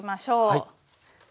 はい。